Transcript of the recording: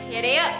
ya udah yuk